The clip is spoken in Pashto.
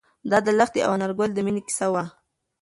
دا د لښتې او انارګل د مینې کیسه وه.